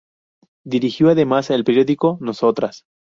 Dirigió además el periódico "Nosotras".